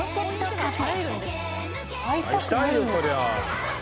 カフェ